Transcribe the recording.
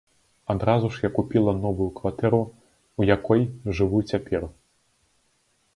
Адразу ж я купіла новую кватэру, у якой жыву цяпер.